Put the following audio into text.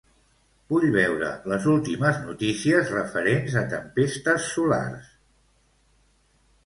Vull veure les últimes notícies referents a tempestes solars.